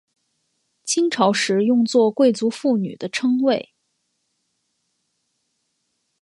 清朝时用作贵族妇女的称谓。